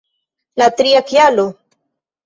La tria kialo!